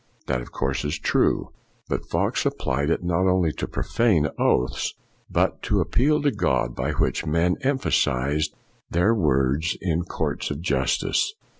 That, of course, is true. But Fox applied if not only to profane oaths but to the ap peal to God by which men emphasized their words in courts of justice.